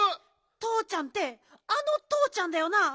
とうちゃんってあのとうちゃんだよな？